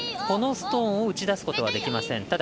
このストーンを打ち出すことはできません。